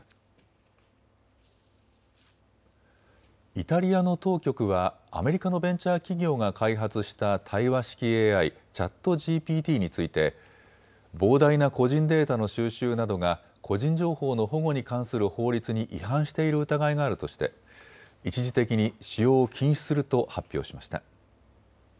イタリアの当局はアメリカのベンチャー企業が開発した対話式ＡＩ、ＣｈａｔＧＰＴについて膨大な個人データの収集などが個人情報の保護に関する法律に違反している疑いがあるとして一時的に使用を禁止すると発表しました。